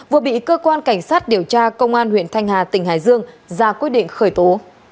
vừa bị cơ quan cảnh sát điều tra công an huyện thanh hà tỉnh hải dương ra quyết định khởi tố